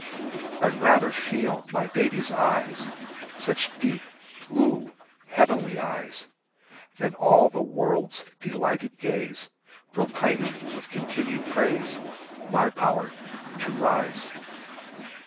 I'd rather feel my baby's eyes, Such deep blue heavenly eyes, Than all the world's delighted gaze, Proclaiming with continued praise My power to rise.